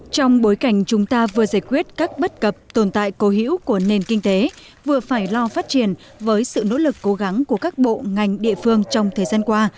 trong bối cảnh chúng ta vừa giải quyết các bất cập tồn tại cố hữu của nền kinh tế vừa phải lo phát triển với sự nỗ lực cố gắng của các bộ ngành địa phương trong thời gian qua